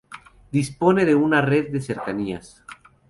Dispone de una red de cercanías.